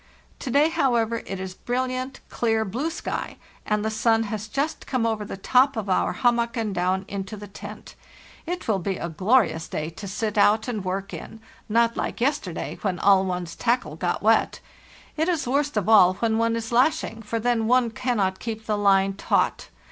To day, however, it is brilliant, clear blue sky, and the sun has just come over the top of our hummock and down into the tent. It will be a glorious day to sit out BY SLEDGE AND KAVAK 243 and work in; not lke yesterday, when all one's tackle got wet; it is worst of all when one is lashing, for then one cannot keep the line taut.